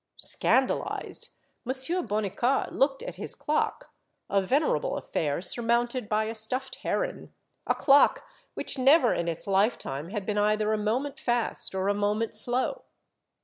Scandalized, Monsieur Bonnicar looked at his clock, a venerable affair surmounted by a stuffed heron, a clock which never in its lifetime had been either a moment fast or a moment slow.